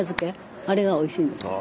あれがおいしいんです。